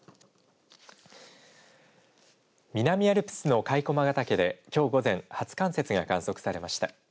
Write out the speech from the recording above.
南アルプスの甲斐駒ヶ岳できょう午前初冠雪が観測されました。